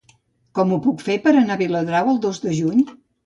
Com ho puc fer per anar a Viladrau el dos de juny?